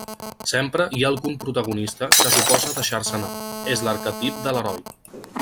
Sempre hi ha algun protagonista que s'oposa a deixar-se anar, és l'arquetip de l'heroi.